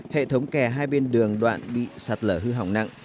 hệ thống kè hai bên đường đoạn bị sạt lở hư hỏng nặng